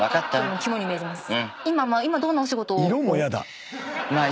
肝に銘じます。